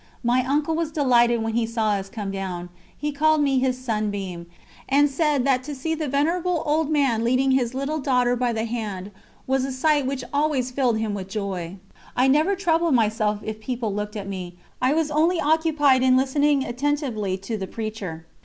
My uncle was delighted when he saw us come down; he called me his "Sunbeam," and said that to see the venerable old man leading his little daughter by the hand was a sight which always filled him with joy. I never troubled myself if people looked at me, I was only occupied in listening attentively to the preacher.